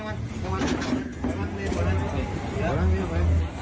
มรายาทและมรายาทเสียงดาง